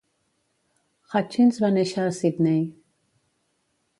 Hutchins va néixer a Sydney.